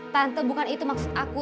tante bukan itu maksud aku